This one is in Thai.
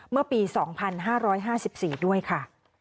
เมื่อปี๒๕๕๔ด้วยค่ะ